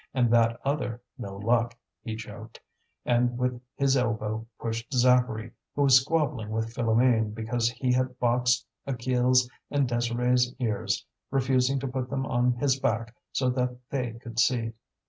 and that other, no luck! He joked, and with his elbow pushed Zacharie, who was squabbling with Philoméne because he had boxed Achille's and Désirée's ears, refusing to put them on his back so that they could see.